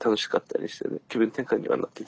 気分転換にはなってたんで。